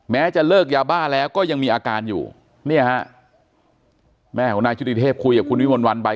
จะเลิกยาบ้าแล้วก็ยังมีอาการอยู่เนี่ยฮะแม่ของนายชุติเทพคุยกับคุณวิมนต์วันไป